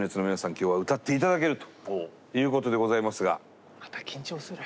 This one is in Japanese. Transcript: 今日は歌って頂けるということでございますが。